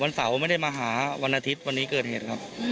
เสาร์ไม่ได้มาหาวันอาทิตย์วันนี้เกิดเหตุครับ